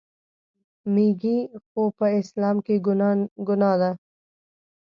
میږي خو په اسلام کې ګناه ده.